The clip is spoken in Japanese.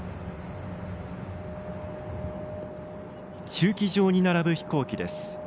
駐機場に並ぶ飛行機です。